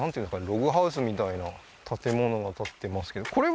ログハウスみたいな建物が建ってますけどこれは？